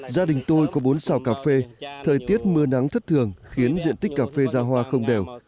gia đình tôi có bốn xào cà phê thời tiết mưa nắng thất thường khiến diện tích cà phê ra hoa không đều